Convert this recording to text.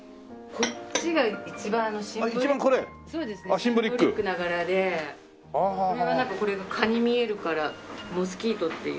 これはなんかこれが蚊に見えるから「モスキート」っていう。